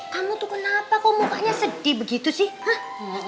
kamu tuh kenapa kok mukanya sedih begitu sih ah